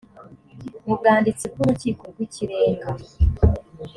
mu bwanditsi bw’urukiko rw’ikirenga